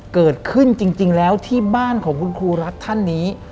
เกิดขึ้นจริงแล้วที่บ้านของคุณครูรักท่านนี้